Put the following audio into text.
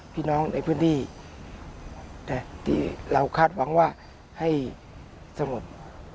พี่น้องในพื้นที่แต่ที่เราคาดหวังว่าให้สงบ